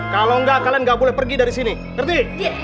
kalau enggak kalian nggak boleh pergi dari sini ngerti